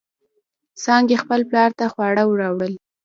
څانگې خپل پلار ته خواړه راوړل.